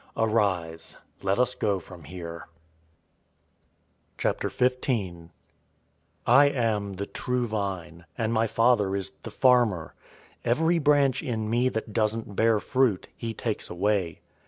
Arise, let us go from here. 015:001 "I am the true vine, and my Father is the farmer. 015:002 Every branch in me that doesn't bear fruit, he takes away.